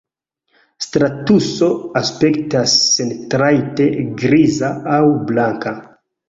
Stratuso aspektas sentrajte griza aŭ blanka.